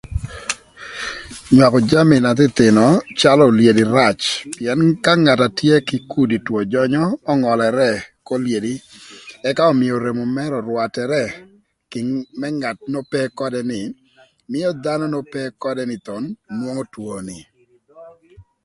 Nywakö jami na thïthïnö calö olyedi rac pïën ka ngat atye kï kudi two jönyö öngölërë k'olyedi ëka ömïö remo mërë örwatërë kï më ngat n'ope ködë nï mïö dhanö n'ope ködë nï thon nwongo two ni.